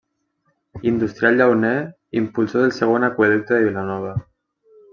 Industrial llauner, impulsor del segon aqüeducte de Vilanova.